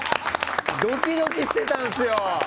ドキドキしてたんすよ！